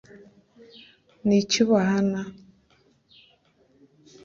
ni iki ubahana